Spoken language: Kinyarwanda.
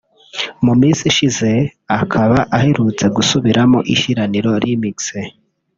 mu minsi ishize akaba aherutse gusubiramo ‘Ishiraniro remix’